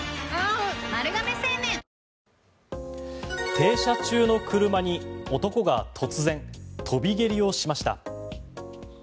停車中の車に男が突然、跳び蹴りをしました。